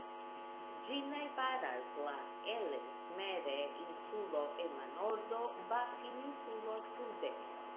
Ĝin najbaras la Ellesmere-insulo en la nordo, Baffin-insulo sude.